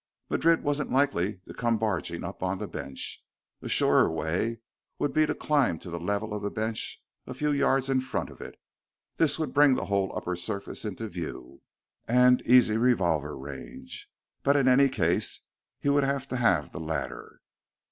Madrid wasn't likely to come barging up on the bench. A surer way would be to climb to the level of the bench a few yards in front of it. This would bring the whole upper surface into view and easy revolver range. But in any case, he would have to have the ladder.